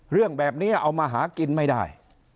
เรื่องแบบนี้เอามาหากินไม่ได้